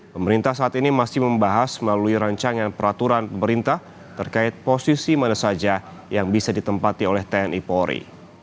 pemerintah saat ini masih membahas melalui rancangan peraturan pemerintah terkait posisi mana saja yang bisa ditempati oleh tni polri